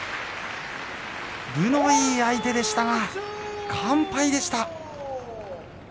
分のいい相手でしたが完敗でした。